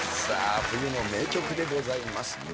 さあ冬の名曲でございます。